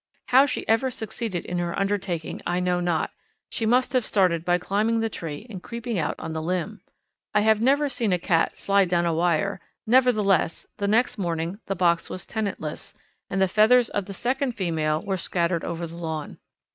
How she ever succeeded in her undertaking, I know not. She must have started by climbing the tree and creeping out on the limb. I have never seen a cat slide down a wire; nevertheless the next morning the box was tenantless and the feathers of the second female were scattered over the lawn.